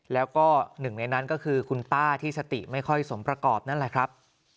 แล้วก็หนึ่งในนั้นก็คือคุณป้าที่สติไม่ค่อยสมประกอบนั่นแหละครับ